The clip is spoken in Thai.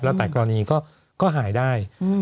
แล้วแต่กรณีก็หายได้